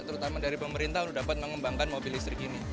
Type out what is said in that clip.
terutama dari pemerintah untuk dapat mengembangkan mobil listrik ini